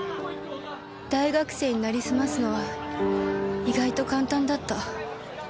大学生に成りすますのは意外と簡単だった。